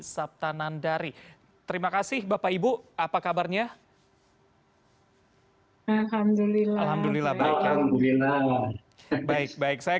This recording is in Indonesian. saptanandari terima kasih bapak ibu apa kabarnya hai alhamdulillah alhamdulillah baik baik baik saya